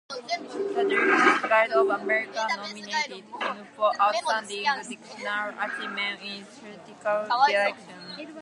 The Directors Guild of America nominated him for Outstanding Directorial Achievement in Theatrical Direction.